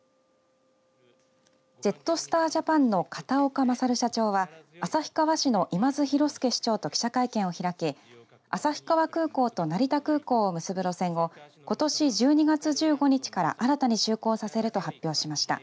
ジェットスター・ジャパンの片岡優社長は旭川市の今津寛介市長と記者会見を開き旭川空港と成田空港を結ぶ路線をことし１２月１５日から新たに就航させると発表しました。